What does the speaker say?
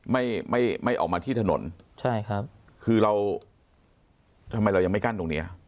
ไม่ไม่ออกมาที่ถนนใช่ครับคือเราทำไมเรายังไม่กั้นตรงเนี้ย